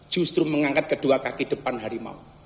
justru mengangkat kedua kaki depan harimau